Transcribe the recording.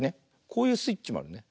こういうスイッチもあるね。